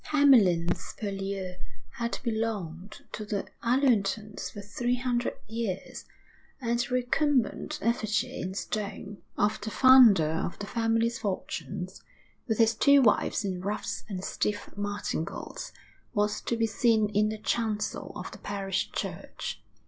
Hamlyn's Purlieu had belonged to the Allertons for three hundred years, and the recumbent effigy, in stone, of the founder of the family's fortunes, with his two wives in ruffs and stiff martingales, was to be seen in the chancel of the parish church.